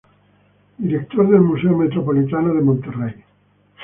Director del Museo Metropolitano de Monterrey.